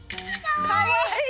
かわいい！